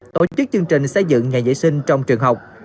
tổ chức chương trình xây dựng ngày vệ sinh trong trường học